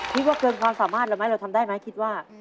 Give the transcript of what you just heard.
ว่าเกินความสามารถเราไหมเราทำได้ไหมคิดว่า